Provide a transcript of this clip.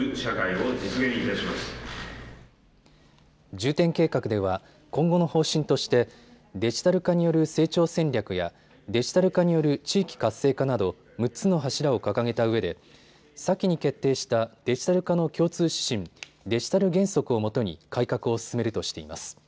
重点計画では今後の方針としてデジタル化による成長戦略やデジタル化による地域活性化など６つの柱を掲げたうえで先に決定したデジタル化の共通指針デジタル原則を基に改革を進めるとしています。